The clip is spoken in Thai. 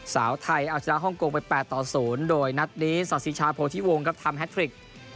สาวไทยเอาชนะฮ่องกงไป๘ต่อ๐โดยนัดนี้สาธิชาโพธิวงครับทำแฮทริก